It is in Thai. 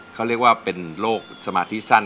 เขาเรียกว่าเป็นโรคสมาธิสั้น